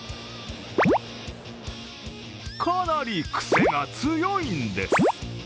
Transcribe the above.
かなり、くせが強いんです。